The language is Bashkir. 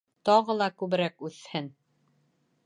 Тағы ла күберәк үҫһен